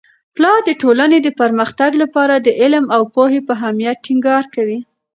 پلار د ټولنې د پرمختګ لپاره د علم او پوهې په اهمیت ټینګار کوي.